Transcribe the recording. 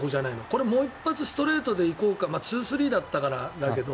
これもう一発ストレートで行こうか２−３だったからだけど。